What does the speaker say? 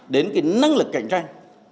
đến cái năng lực cạnh tranh